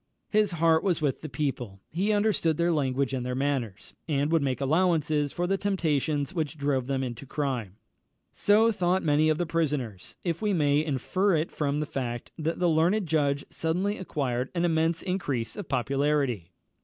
His heart was with the people; he understood their language and their manners, and would make allowances for the temptations which drove them into crime. So thought many of the prisoners, if we may infer it from the fact that the learned judge suddenly acquired an immense increase of popularity.